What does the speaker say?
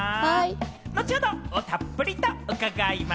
後ほど、たっぷり伺います。